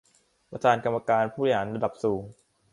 ประธานกรรมการผู้บริหารระดับสูง